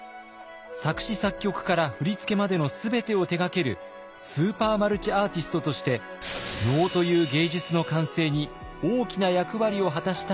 作詞作曲から振り付けまでの全てを手がけるスーパー・マルチ・アーティストとして能という芸術の完成に大きな役割を果たした人物。